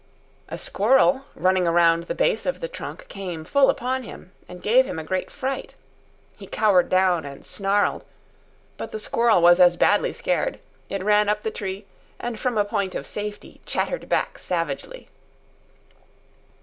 A squirrel, running around the base of the trunk, came full upon him, and gave him a great fright. He cowered down and snarled. But the squirrel was as badly scared. It ran up the tree, and from a point of safety chattered back savagely.